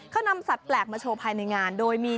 เขานำสัตว์แปลกมาโชว์ภายในงานโดยมี